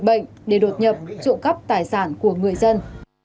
bệnh để đột nhập trộm cắp tài sản của người dân